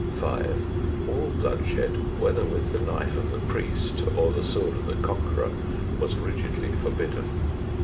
5. All bloodshed, whether with the knife of the priest or the sword of the conqueror, was rigidly forbidden.